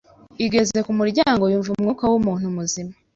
igeze ku muryango yumva umwuka w' umuntu muzima